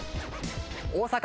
大阪。